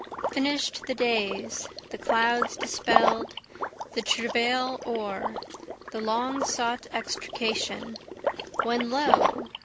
Finish'd the days, the clouds dispel'd The travail o'er, the long sought extrication, When lo!